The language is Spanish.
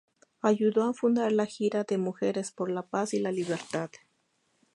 Ayudó a fundar La Liga de Mujeres por la Paz y la Libertad.